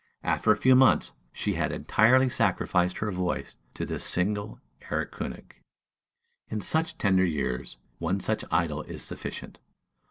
After a few months, she had entirely sacrificed her voice to this single "Erlkönig." In such tender years, one such idol is sufficient.